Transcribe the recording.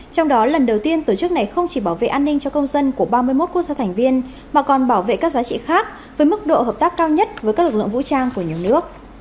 trong đó lần đầu tiên tổ chức này không chỉ bảo vệ an ninh cho công dân của ba mươi một quốc gia thành viên mà còn bảo vệ các giá trị khác với mức độ hợp tác cao nhất với các lực lượng vũ trang của nhiều nước